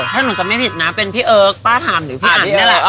ถ้านุนจะไม่ผิดนะเป็นพี่เอิ๊ยป้าถ่ายหรือคได้ล่ะ